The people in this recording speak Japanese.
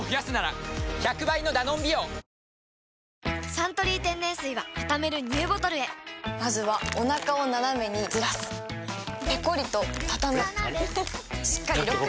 「サントリー天然水」はたためるＮＥＷボトルへまずはおなかをナナメにずらすペコリ！とたたむしっかりロック！